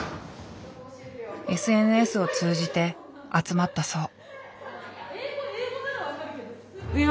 ＳＮＳを通じて集まったそう。